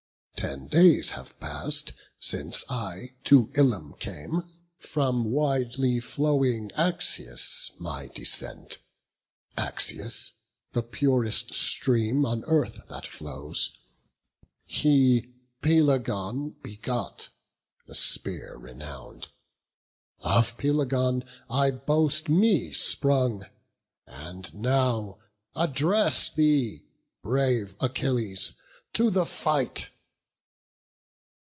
Ten days have pass'd since I to Ilium came. From widely flowing Axius my descent, Axius, the purest stream on earth that flows. He Pelegon begot, the spear renown'd; Of Pelegon I boast me sprung; and now Address thee, brave Achilles, to the fight."